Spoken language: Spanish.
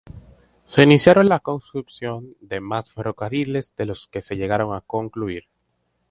Se iniciaron la construcción de más ferrocarriles de los que se llegaron a concluir.